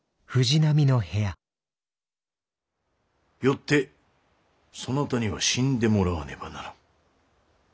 よってそなたには死んでもらわねばならぬ。